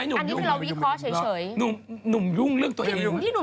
นุ่มตกตรงสรองงาน